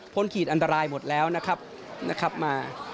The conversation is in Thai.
พ้นขีดอันตรายหมดแล้วนะครับนะครับมา